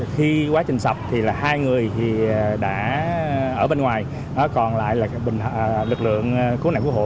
khi quá trình sập thì là hai người đã ở bên ngoài còn lại là lực lượng cứu nạn cứu hộ